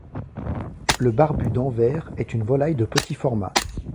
Le barbu d'Anvers est une volaille de petit format.